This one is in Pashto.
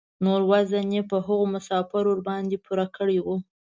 نور وزن یې په هغو مسافرو ورباندې پوره کړی و.